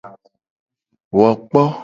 Wo kpo.